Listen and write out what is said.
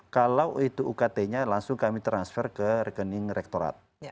kalau itu ukt nya langsung kami transfer ke rekening rektorat